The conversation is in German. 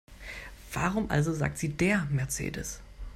Warum also sagen Sie DER Mercedes?